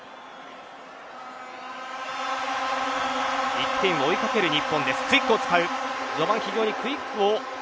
１点を追いかける日本です。